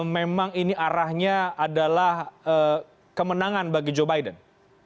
memang ini arahnya adalah kemenangan bagi joe biden